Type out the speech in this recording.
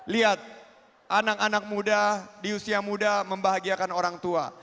lihat anak anak muda di usia muda membahagiakan orang tua